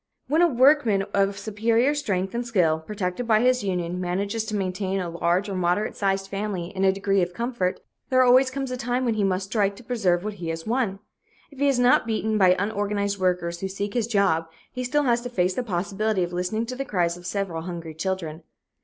When a workman of superior strength and skill, protected by his union, manages to maintain a large or moderate sized family in a degree of comfort, there always comes a time when he must strike to preserve what he has won. If he is not beaten by unorganized workers who seek his job, he still has to face the possibility of listening to the cries of several hungry children.